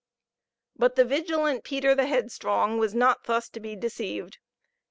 But the vigilant Peter the Headstrong was not thus to be deceived.